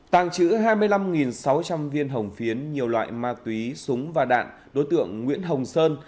tàng trữ hai mươi năm sáu trăm linh viên hồng phiến nhiều loại ma túy súng và đạn đối tượng nguyễn hồng sơn